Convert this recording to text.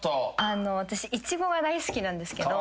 私イチゴが大好きなんですけど。